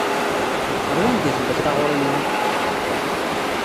Ɣer wanda i tewweḍ taɣuṛi-nwen?